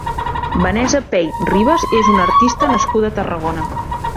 Vanessa Pey Ribas és una artista nascuda a Tarragona.